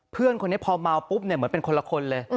เพื่อนคนนี้พอเมาปุ๊บเนี่ยเหมือนเป็นคนละคนเลย